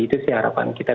itu sih harapan